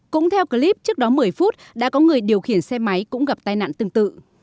cũng theo clip trước đó một mươi phút đã có người điều khiển xe máy cũng gặp tai nạn tương tự